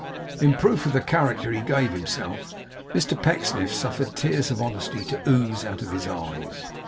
In proof of the character he gave himself, Mr Pecksniff suffered tears of honesty to ooze out of his eyes.